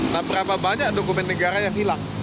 nah berapa banyak dokumen negara yang hilang